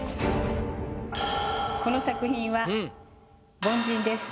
この作品は。